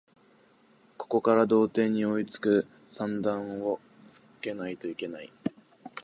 ここから同点に追いつく算段をつけないといけない